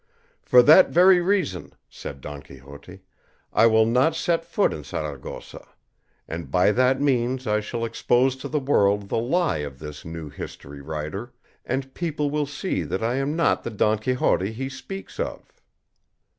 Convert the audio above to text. "For that very reason," said Don Quixote, "I will not set foot in Saragossa; and by that means I shall expose to the world the lie of this new history writer, and people will see that I am not the Don Quixote he speaks of."